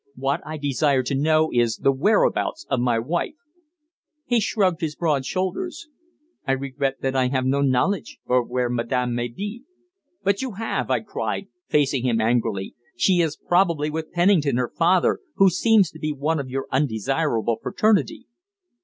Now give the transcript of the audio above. What I desire to know is the whereabouts of my wife." He shrugged his broad shoulders. "I regret that I have no knowledge of where madame may be." "But you have!" I cried, facing him angrily. "She is probably with Pennington, her father, who seems to be one of your undesirable fraternity."